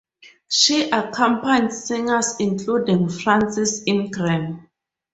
She accompanied singers including Frances Ingram.